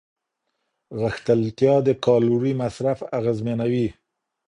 غښتلتیا د کالوري مصرف اغېزمنوي.